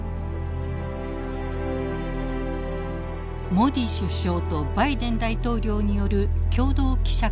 モディ首相とバイデン大統領による共同記者会見。